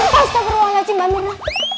pasti beruang lagi mbak mirna